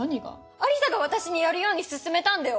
亜里沙が私にやるように勧めたんだよ！